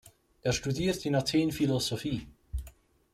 Er studierte in Athen Philosophie.